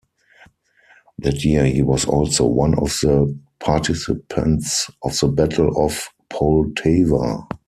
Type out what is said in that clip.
That year, he was also one of the participants of the Battle of Poltava.